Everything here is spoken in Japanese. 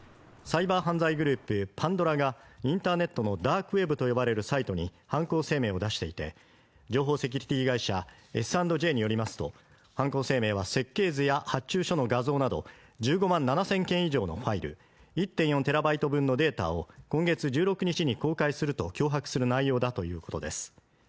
サイバー犯罪グループってパンドラがインターネットのダークウェブと呼ばれるサイトに犯行声明を出していて情報セキュリティー会社Ｓ＆Ｊによりますと犯行声明は設計図や発注書の画像など１５万７０００件以上のファイル１．４ＴＢ分のデータを今月１６日に公開すると脅迫する内容だということです